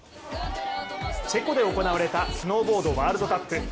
チェコで行われたスノーボードワールドカップ。